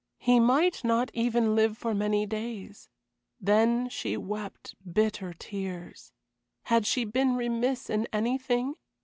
He might not even live for many days. Then she wept bitter tears. Had she been remiss in anything?